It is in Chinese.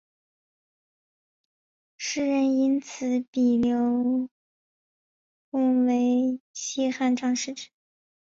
时人因此比刘颂为西汉张释之。